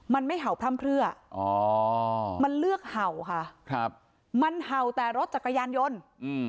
มันไม่เห่าพร่ำเพลืออ๋อมันเลือกเห่าค่ะครับมันเห่าแต่รถจักรยานยนต์อืม